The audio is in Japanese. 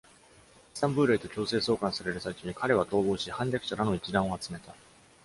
イスタンブールへと強制送還される最中に彼は逃亡し、反逆者らの一団を集めた。